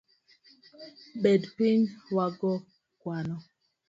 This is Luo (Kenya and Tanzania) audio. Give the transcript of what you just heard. Bed piny wago kwano.